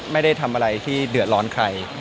ไม่ได้ทำอะไรที่เดือดร้อนใคร